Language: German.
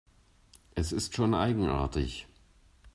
Es ist schon eigenartig.